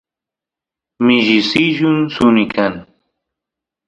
mishi sillun suni kan